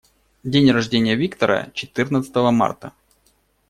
День рождения Виктора - четырнадцатого марта.